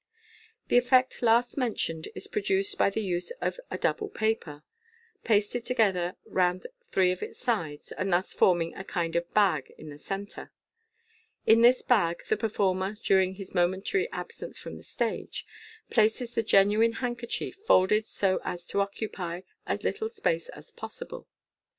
The effect last mentioned is produced by the use of a doubke paper, pasted together round three of its sides, and thus forming a kind of bag in the centre. In this bag the performer, during his momentary absence from the stage, places the genuine handkerchief, folded so as to occupy as little space as possible.